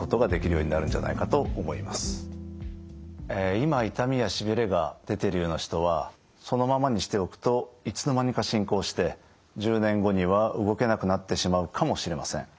今痛みやしびれが出ているような人はそのままにしておくといつの間にか進行して１０年後には動けなくなってしまうかもしれません。